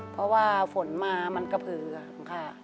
เพราะว่าฝนมามันกระพือค่ะ